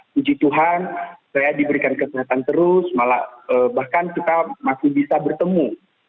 puji tuhan saya diberikan kesehatan terus bahkan kita masih bisa bertemu